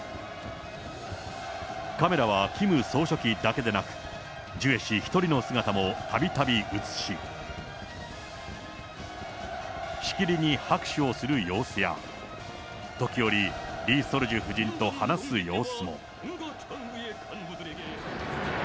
カメラはキム総書記だけでなく、ジュエ氏１人の姿もたびたび映し、しきりに拍手をする様子や、時折、リ・ソルジュ夫人と話す様子も。